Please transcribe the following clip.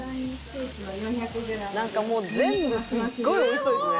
「なんかもう全部すっごい美味しそうですね」